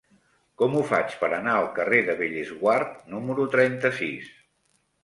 Com ho faig per anar al carrer de Bellesguard número trenta-sis?